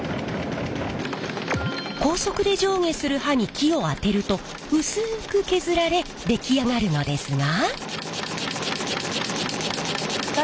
高速で上下する刃に木を当てると薄く削られ出来上がるのですが。